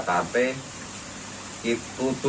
khususnya para pemiliki mempunyai profesi kesehatan